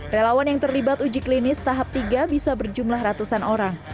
relawan yang terlibat uji klinis tahap tiga bisa berjumlah ratusan orang